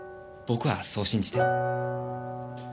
僕はそう信じてる。